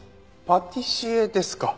パティシエですか？